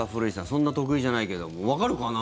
そんなに得意じゃないけどわかるかな。